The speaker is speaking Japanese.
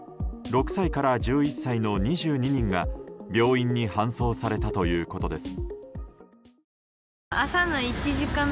６歳から１１歳の２２人が病院に搬送されたということです。